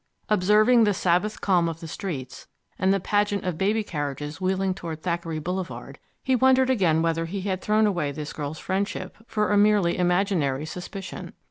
Observing the Sabbath calm of the streets, and the pageant of baby carriages wheeling toward Thackeray Boulevard, he wondered again whether he had thrown away this girl's friendship for a merely imaginary suspicion.